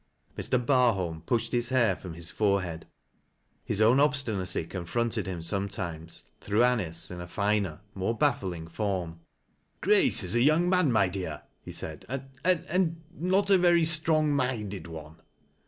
Mr. Barholm pushed his hair from his forehead. His own obstinacy confroi.ted him somotimes through A nice in a finer, more baffling form. 82 rSA^T LASS W LOWBIE'S. " Grace is a young man, uij dear," he said, " and— and not a very strong minded one."